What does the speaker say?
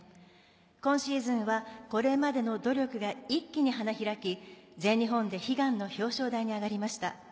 今シーズンはこれまでの努力が一気に花開き全日本で悲願の表彰台に上がりました。